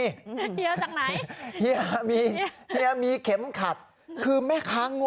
เฮียจากไหนเฮียมีเฮียมีเข็มขัดคือแม่ค้าง่